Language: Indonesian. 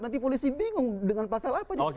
nanti polisi bingung dengan pasal apa juga